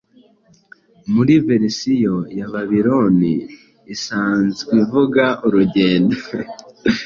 muri verisiyo ya Babiloni isanzweivuga urugendo